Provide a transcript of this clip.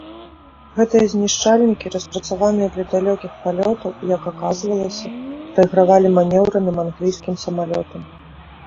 Гэтыя знішчальнікі, распрацаваныя для далёкіх палётаў, як аказвалася, прайгравалі манеўраным англійскім самалётам.